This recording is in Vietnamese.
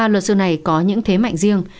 ba luật sư này có những thế mạnh riêng